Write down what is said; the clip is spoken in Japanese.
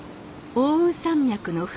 奥羽山脈の麓。